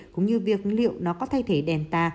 cũng như việc liệu nó có thay thế delta